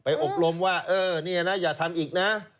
ไปอบรมว่านี่อะนะอย่าทำอีกนะ